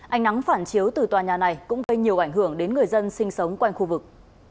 ánh nắng phản chiếu từ tòa nhà này cũng gây nhiều ảnh hưởng đến người dân sinh sống quanh khu vực